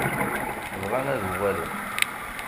Bɣan ad uɣalen.